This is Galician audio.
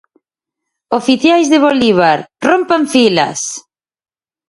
Oficiais de Bolívar, rompan filas!